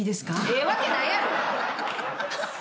ええわけないやろ！